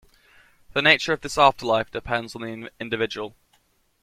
The nature of this afterlife depends on the individual.